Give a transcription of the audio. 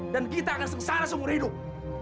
dan kita akan sengsara seumur hidup